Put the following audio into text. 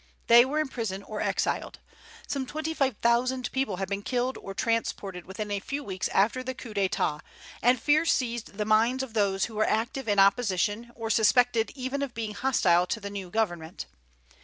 They were in prison or exiled. Some twenty five thousand people had been killed or transported within a few weeks after the coup d'état, and fear seized the minds of those who were active in opposition, or suspected even of being hostile to the new government.